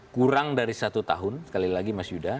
kurang dari satu tahun sekali lagi mas yuda